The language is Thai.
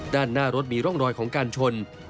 ด้านหน้ารถมีร่องรอยของการชน